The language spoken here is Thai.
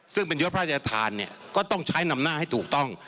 ซึ่งเป็นพรรษยภาษณ์ความอภิคธานก็ต้องใช้นำหน้าให้ถูกต้อง